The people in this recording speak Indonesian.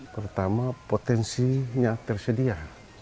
pertama potensinya tersedia